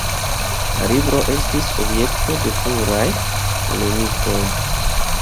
La libro estis objekto de pluraj polemikoj.